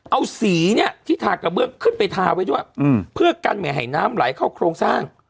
เอาสีเนี่ยที่ทากระเบื้องขึ้นไปทาไว้ด้วยเพื่อกันไม่ให้น้ำไหลเข้าโครงสร้าง